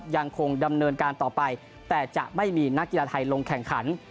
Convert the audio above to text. ยังคงดำเนินการต่อไปแต่จะไม่มีนักกีฬาไทยลงแข่งขัน